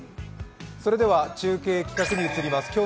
それでは中継企画に移ります。